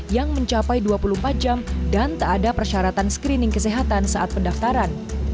yang mencapai dua puluh empat jam dan tak ada persyaratan screening kesehatan saat pendaftaran